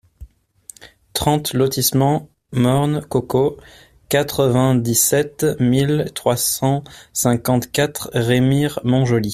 trente lotissement Morne Coco, quatre-vingt-dix-sept mille trois cent cinquante-quatre Remire-Montjoly